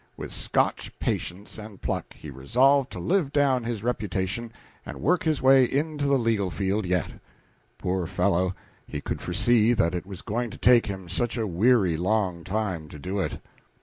With Scotch patience and pluck he resolved to live down his reputation and work his way into the legal field yet. Poor fellow, he could not foresee that it was going to take him such a weary long time to do it.